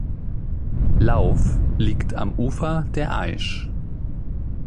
Lauf liegt am Ufer der Aisch.